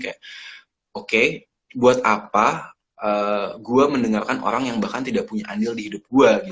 kayak oke buat apa gue mendengarkan orang yang bahkan tidak punya andil di hidup gue